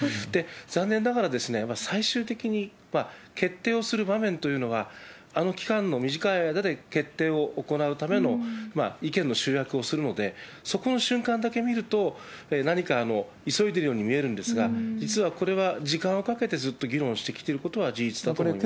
残念ながら、最終的に決定をする場面というのは、あの期間の短い間で決定を行うための意見の集約をするので、そこの瞬間だけ見ると、何か急いでいるように見えるんですが、実はこれは、時間をかけてずっと議論してきていることは事実だと思います。